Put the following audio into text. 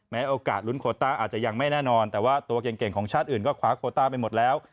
โอกาสลุ้นโคต้าอาจจะยังไม่แน่นอนแต่ว่าตัวเก่งของชาติอื่นก็คว้าโคต้าไปหมดแล้ว